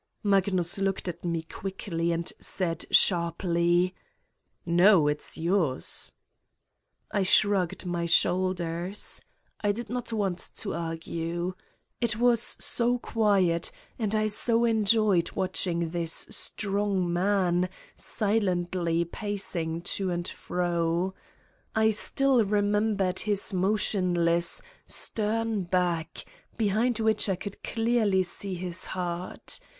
Magnus looked at me quickly and said sharp! "No, it's yours." I shrugged my shoulders. I did not want to argue. It was so quiet and I so enjoyed watch ing this strong man silently pacing to and fro. I still remembered his motionless, stern back, be hind which I could clearly see his heart.